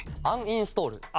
アンインストール。